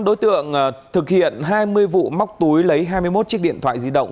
đối tượng thực hiện hai mươi vụ móc túi lấy hai mươi một chiếc điện thoại di động